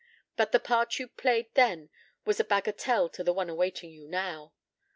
... But the part you played then was a bagatelle to the one awaiting you now.